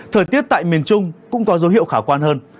thời tiết tại miền trung cũng có dấu hiệu khả quan hơn